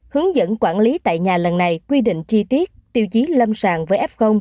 hướng dẫn quản lý tại nhà lần này quy định chi tiết tiêu chí lâm sàng với f